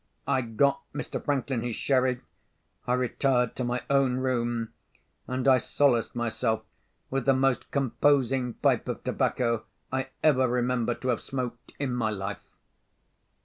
I got Mr. Franklin his sherry; I retired to my own room; and I solaced myself with the most composing pipe of tobacco I ever remember to have smoked in my life.